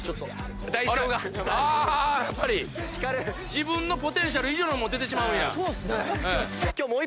自分のポテンシャル以上のもん出てしまうんや。